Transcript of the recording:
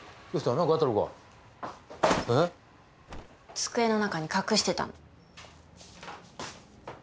机の中に隠してたの。